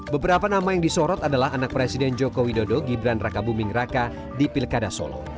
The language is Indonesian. beberapa nama yang disorot adalah anak presiden joko widodo gibran raka buming raka di pilkada solo